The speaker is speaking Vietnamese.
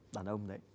đàn ông đấy